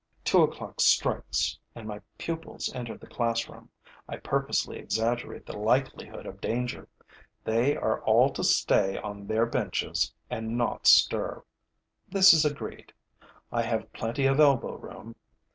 Two o'clock strikes; and my pupils enter the classroom. I purposely exaggerate the likelihood of danger. They are all to stay on their benches and not stir. This is agreed. I have plenty of elbow room.